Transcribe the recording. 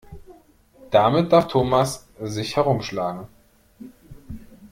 Damit darf Thomas sich herumschlagen.